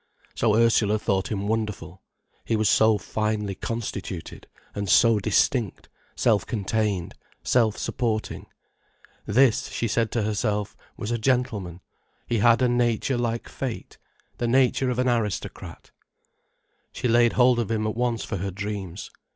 So Ursula thought him wonderful, he was so finely constituted, and so distinct, self contained, self supporting. This, she said to herself, was a gentleman, he had a nature like fate, the nature of an aristocrat. She laid hold of him at once for her dreams.